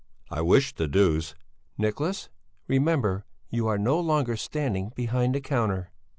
"I wish the deuce...." "Nicholas, remember you are no longer standing behind the counter."